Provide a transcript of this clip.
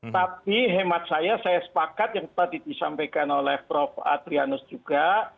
tapi hemat saya saya sepakat yang tadi disampaikan oleh prof adrianus juga